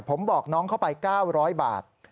ผมบอกน้องเข้าไป๙๐๐บาท